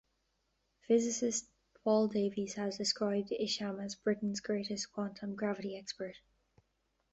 Physicist Paul Davies has described Isham as Britain's greatest quantum gravity expert.